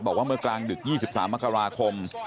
บอกว่าเมื่อกลางดึก๒๓มกราคม